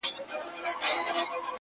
زما له انګړه جنازې در پاڅي-